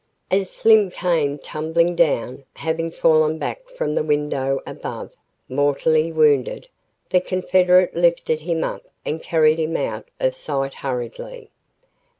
As Slim came tumbling down, having fallen back from the window above, mortally wounded, the confederate lifted him up and carried him out of sight hurriedly.